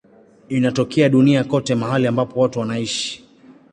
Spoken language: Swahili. Inatokea duniani kote mahali ambapo watu wanaishi.